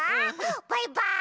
バイバーイ！